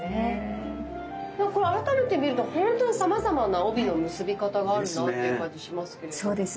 改めて見るとさまざまな帯の結び方があるなっていう感じしますけれど。